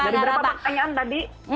dari berapa pertanyaan tadi